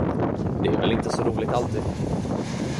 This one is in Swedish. Det är väl inte så roligt alltid.